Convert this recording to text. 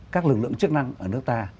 các lực lượng chức năng ở nước ta